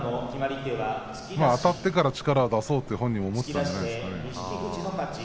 あたってから力を出そうと本人も思っていたんじゃないですか。